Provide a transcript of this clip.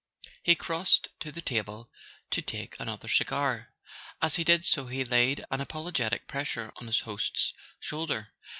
He crossed to the table to take another cigar. As he did so he laid an apologetic pressure on his host's shoulder.